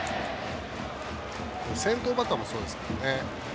先頭バッターもそうですから。